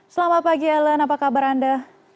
selamat pagi ellen apa kabar anda